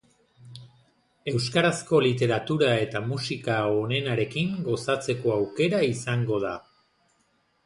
Euskarazko literatura eta musika onenarekin gozatzeko aukera izango da.